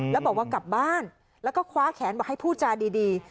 แล้วบอกว่ากลับบ้านแล้วก็คว้าแขนบอกให้พูดจาดี